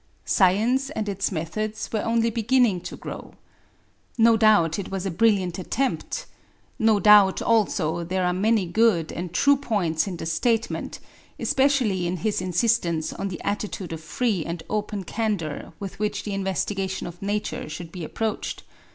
Science and its methods were only beginning to grow. No doubt it was a brilliant attempt. No doubt also there are many good and true points in the statement, especially in his insistence on the attitude of free and open candour with which the investigation of Nature should be approached.